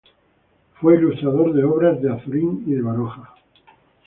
Fue ilustrador de obras de Azorín y Baroja.